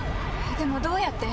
でもどうやって？